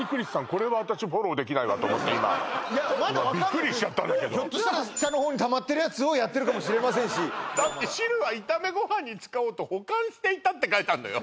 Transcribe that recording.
これは私フォローできないわと思って今今ビックリしちゃったんだけどひょっとしたら下の方にたまってるやつをやってるかもしれませんしだって「汁は炒めご飯に使おうと」「保管していた」って書いてあんのよ